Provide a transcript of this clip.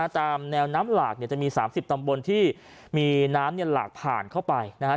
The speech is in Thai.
ตามแนวน้ำหลากจะมี๓๐ตำบลที่มีน้ำหลากผ่านเข้าไป